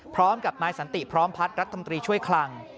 พร้อมกับนายสันติพร้อมพัฒน์รัฐมนตรีช่วยคลัง